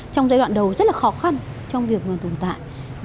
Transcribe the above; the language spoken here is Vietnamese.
trong giai đoạn đầu rất là khó khăn trong việc tồn tại